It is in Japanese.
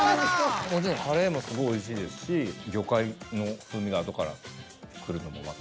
もちろんカレーもすごいおいしいですし魚介の風味があとから来るのもまた。